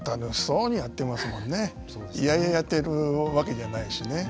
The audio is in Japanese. いやいややっているわけじゃないしね。